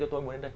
tôi muốn đến đây